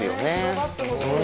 広がってほしい。